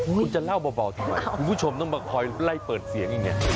คุณจะเล่าเบาทีไหวคุณผู้ชมต้องมาคอยไล่เปิดเสียงอีกเนี่ย